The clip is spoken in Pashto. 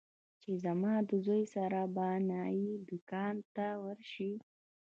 چې زما د زوى سره به د نايي دوکان ته ورشې.